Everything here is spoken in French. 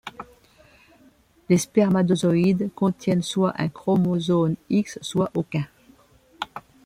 Les spermatozoïdes contiennent soit un chromosome X soit aucun.